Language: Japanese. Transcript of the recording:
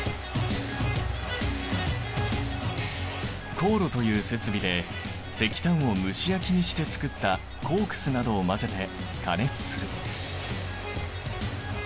高炉という設備で石炭を蒸し焼きにして作ったコークスなどを混ぜて加熱する。